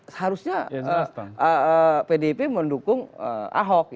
seharusnya pdp mendukung ahok